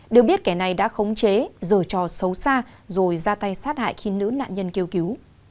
được biết kẻ này đã khống chế rồi trò xấu xa rồi ra tay sát hại khi nữ nạn nhân kêu cứu